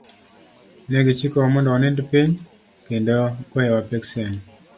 Ne gichikowa mondo wanind piny, kendo goyowa peksen.